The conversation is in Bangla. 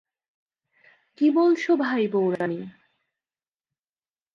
কী বলছ ভাই বউরানী?